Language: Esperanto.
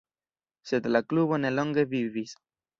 Sed la klubo ne longe vivis.